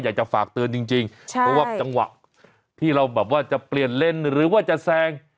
อยากจะฝากเตือนจริงเพราะว่าจังหวะที่เราแบบว่าจะเปลี่ยนเลนส์หรือว่าจะแซง